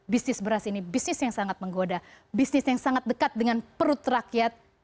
bisnis beras ini bisnis yang sangat menggoda bisnis yang sangat dekat dengan perut rakyat